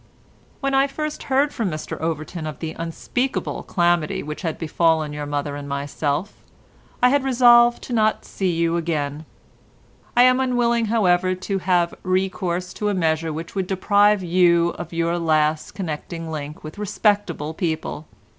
"When I first heard from Mr Overton of the unspeakable calamity which had befallen your mother and myself, I had resolved not to see you again. I am unwilling, however, to have recourse to a measure which would deprive you of your last connecting link with respectable people.